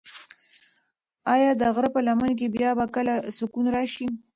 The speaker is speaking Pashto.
ایا د غره په لمن کې به بیا کله سکون راشي؟